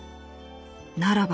ならば。